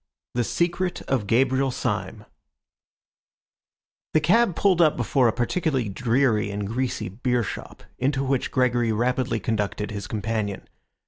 THE SECRET OF GABRIEL SYME The cab pulled up before a particularly dreary and greasy beershop, into which Gregory rapidly conducted his companion.